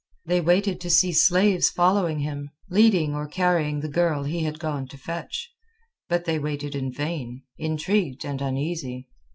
They waited to see slaves following him, leading or carrying the girl he had gone to fetch. But they waited in vain, intrigued and uneasy.